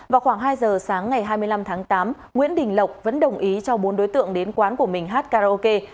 vào khoảng hai giờ sáng ngày hai mươi năm tháng tám nguyễn đình lộc vẫn đồng ý cho bốn đối tượng đến quán của mình hát karaoke